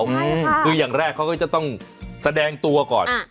ใช่ค่ะคืออย่างแรกเขาก็จะต้องแสดงตัวก่อนอ่า